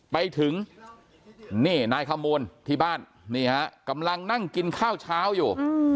ไปถึงนี่นายขมูลที่บ้านนี่ฮะกำลังนั่งกินข้าวเช้าอยู่